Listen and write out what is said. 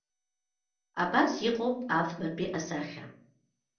Абас иҟоуп афбатәи асахьа.